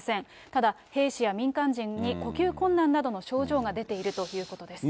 ただ兵士や民間人に呼吸困難などの症状が出ているということです。